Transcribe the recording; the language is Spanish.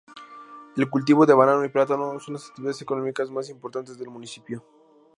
El cultivo de banano y plátano son las actividades económicas más importantes del municipio.